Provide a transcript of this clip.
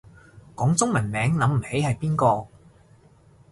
講中文名諗唔起係邊個